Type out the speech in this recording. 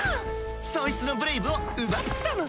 そいつのブレイブを奪ったのさ。